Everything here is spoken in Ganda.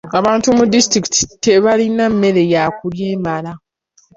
Abantu mu disitulikiti tebalina mmere ya kulya emala.